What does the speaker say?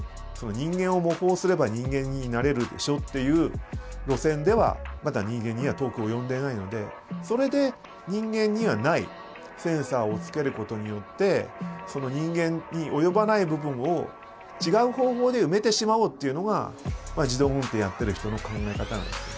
人間を模倣すれば人間になれるでしょっていう路線ではまだ人間には遠く及んでいないのでそれで人間にはないセンサーをつけることによって人間に及ばない部分を違う方法で埋めてしまおうっていうのが自動運転やってる人の考え方なんですよ。